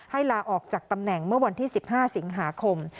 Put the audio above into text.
ลาออกจากตำแหน่งเมื่อวันที่๑๕สิงหาคม